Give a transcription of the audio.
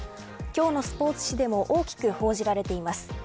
今日のスポーツ紙でも大きく報じられています。